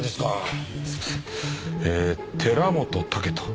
えー寺本武人。